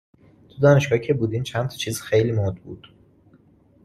تو دانشگاه که بودیم چند تا چیز خیلی مُد بود